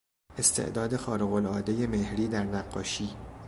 استعداد خارقالعادهی مهری در نقاشی